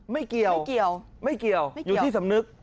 ไม่เกี่ยวอยู่ที่สำนึก